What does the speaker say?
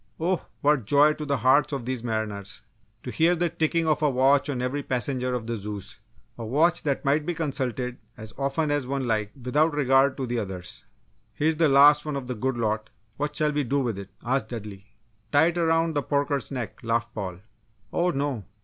Oh, what joy to the hearts of these mariners! To hear the ticking of a watch on every passenger of the Zeus a watch that might be consulted as often as one liked without regard to the others! "Here's the last one of the good lot; what shall we do with it?" asked Dudley. "Tie it around the porker's neck!" laughed Paul. "Oh, no!